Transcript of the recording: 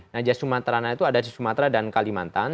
nah sumaterana itu ada di sumatera dan kalimantan